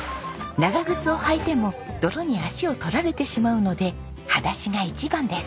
長靴を履いても泥に足を取られてしまうので裸足が一番です。